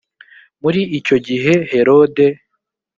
muri icyo gihe herode